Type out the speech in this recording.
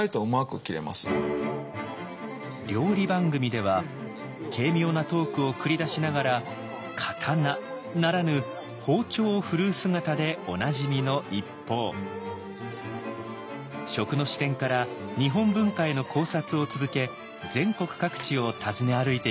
料理番組では軽妙なトークを繰り出しながら刀ならぬ包丁を振るう姿でおなじみの一方食の視点から日本文化への考察を続け全国各地を訪ね歩いています。